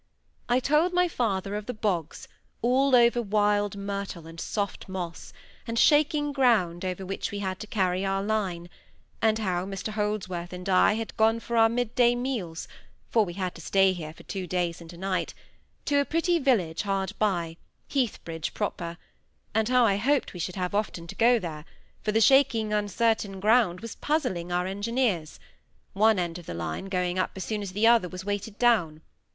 I told my father of the bogs, all over wild myrtle and soft moss, and shaking ground over which we had to carry our line; and how Mr Holdsworth and I had gone for our mid day meals—for we had to stay here for two days and a night—to a pretty village hard by, Heathbridge proper; and how I hoped we should often have to go there, for the shaking, uncertain ground was puzzling our engineers—one end of the line going up as soon as the other was weighted down.